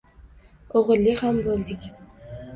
O`g`illi ham bo`ldik